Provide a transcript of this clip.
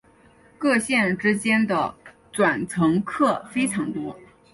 各线之间的转乘客非常多。